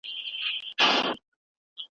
د خان کورته یې راوړې کربلا وه .